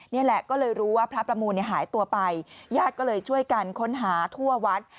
นี่แหละก็เลยรู้ว่าพระประมูลหายตัวไปญาติก็เลยช่วยกันค้นหาทั่ววัด